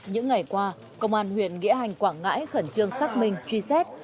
những ngày qua công an huyện nghĩa hành quảng ngãi khẩn trương xác minh gz